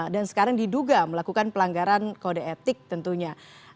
dan sekarang diduga melakukan pelanggaran kode etik tentunya